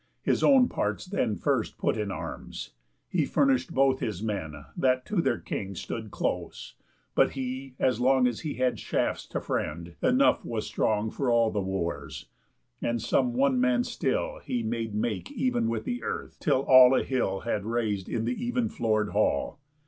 His own parts then First put in arms, he furnish'd both his men, That to their king stood close; but he, as long As he had shafts to friend, enough was strong For all the Wooers, and some one man still He made make even with earth, till all a hill Had rais'd in th' even floor'd hall.